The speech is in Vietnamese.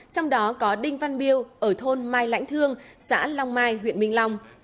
trong đó có đinh văn biêu ở thôn mai lãnh thương xã long mai huyện minh long